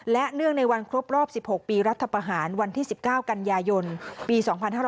และเนื่องในวันครบรอบ๑๖ปีรัฐประหารวันที่๑๙กันยายนปี๒๕๕๙